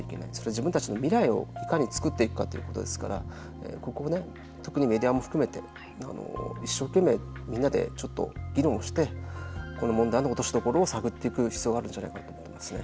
自分たちの未来をいかに作っていくかということですからここを特にメディアも含めて一生懸命、みんなで議論をしてこの問題の落としどころを探っていく必要があるんじゃないかと思っていますね。